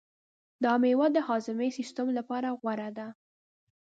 دا مېوه د هاضمې د سیستم لپاره غوره ده.